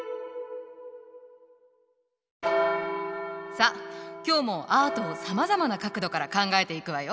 さあ今日もアートをさまざまな角度から考えていくわよ。